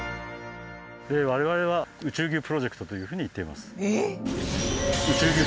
我々は「宇宙牛プロジェクト」というふうに言っています。